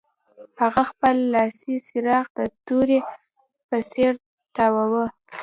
هغه خپل لاسي څراغ د تورې په څیر تاواوه